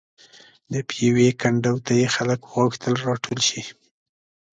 د پېوې کنډو ته یې خلک وغوښتل راټول شي.